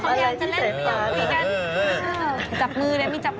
ฟ้ากับภายุสตรอมและทันเดอร์